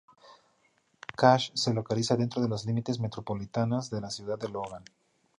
Cache se localiza dentro de los límites metropolitanos de la ciudad de Logan.